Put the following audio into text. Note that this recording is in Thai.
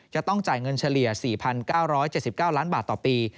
จะต้องจ่ายเงินเฉลี่ย๔๙๗๙ล้านบาทต่อปี